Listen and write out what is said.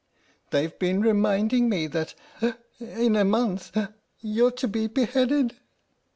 "They've been reminding me that (sob) in a month (sob) you're to be beheaded!